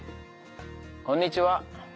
こんにちは。